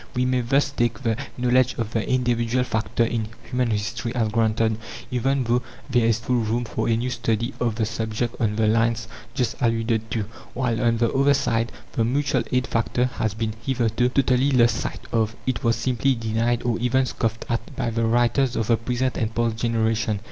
We may thus take the knowledge of the individual factor in human history as granted even though there is full room for a new study of the subject on the lines just alluded to; while, on the other side, the mutual aid factor has been hitherto totally lost sight of; it was simply denied, or even scoffed at, by the writers of the present and past generation.